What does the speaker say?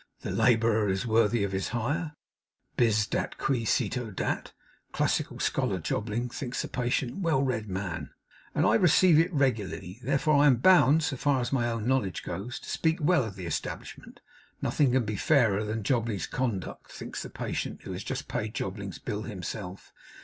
The labourer is worthy of his hire; BIS DAT QUI CITO DAT' ['classical scholar, Jobling!' thinks the patient, 'well read man!') 'and I receive it regularly. Therefore I am bound, so far as my own knowledge goes, to speak well of the establishment.' ['Nothing can be fairer than Jobling's conduct,' thinks the patient, who has just paid Jobling's bill himself.)